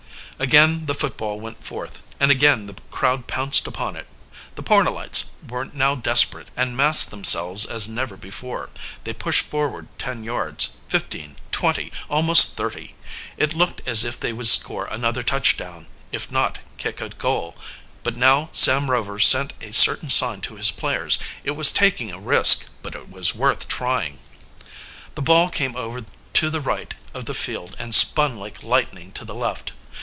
Again the football went forth, and again the crowd pounced upon it. The Pornellites were now desperate and massed themselves as never before. They pushed forward ten yards fifteen twenty almost thirty. It looked as if they would score another touchdown, if not kick a goal. But now Sam Rover sent a certain sign to his players. It was taking a risk, but it was worth trying. The ball came over to the right of the field and spun like lightning to the left.